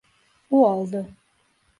O aldı.